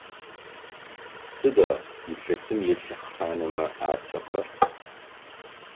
Сыда илъэсым илъэхъанэмэ ацӏэхэр?